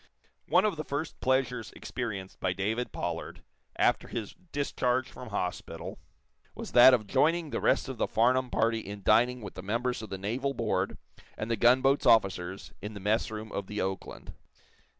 One of the first pleasures experienced by David Pollard, after his discharge from hospital, was that of joining the rest of the Farnum party in dining with the members of the naval board and the gunboat's officers in the messroom of the "Oakland."